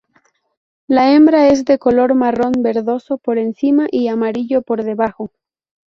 La hembra es de color marrón verdoso por encima y amarillo por debajo.